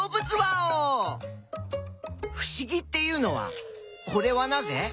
ふしぎっていうのは「これはなぜ？」